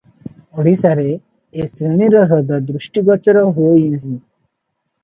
ଓଡ଼ିଶାରେ ଏ ଶ୍ରେଣୀର ହ୍ରଦ ଦୃଷ୍ଟିଗୋଚର ହୁଅଇ ନାହିଁ ।